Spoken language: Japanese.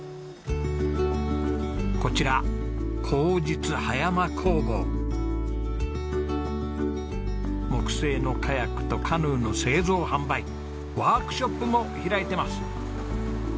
こちら木製のカヤックとカヌーの製造販売ワークショップも開いてます。